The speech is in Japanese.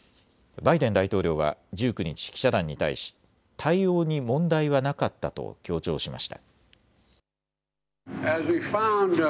バイデン大統領は１９日、記者団に対し、対応に問題はなかったと強調しました。